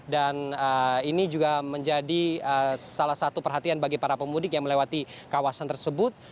dan ini juga menjadi salah satu perhatian bagi para pemudik yang melewati kawasan tersebut